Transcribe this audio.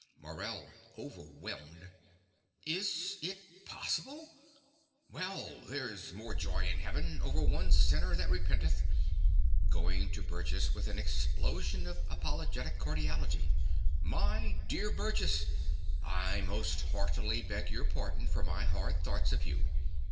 MORELL (overwhelmed). Is it possible! Well, there's more joy in heaven over one sinner that repenteth (Going to Burgess with an explosion of apologetic cordiality.) My dear Burgess, I most heartily beg your pardon for my hard thoughts of you.